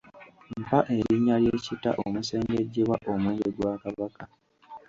Mpa erinnya ly’ekita omusengejjebwa omwenge gwa Kabaka.